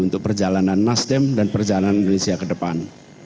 untuk perjalanan nasdem dan perjalanan indonesia ke depan